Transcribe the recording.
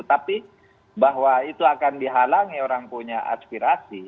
tapi bahwa itu akan dihalangi orang punya aspirasi